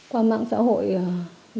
qua mạng xã hội